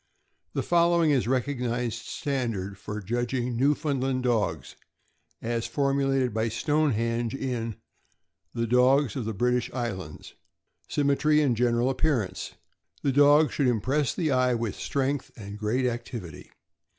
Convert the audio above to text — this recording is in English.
The following is the recognized standard for judging Newfoundland dogs, as formulated by Stonehenge in k' The Dogs of the British Islands: " Symmetry and general appearance. — The dog should impress the eye with strength and great activity.